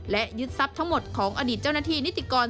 และยึดทรัพย์ทั้งหมดของอดีตเจ้าหน้าที่นิติกร